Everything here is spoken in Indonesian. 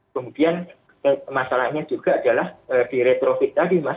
kemudian masalahnya juga adalah di retrofit tadi mas